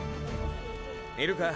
いるか？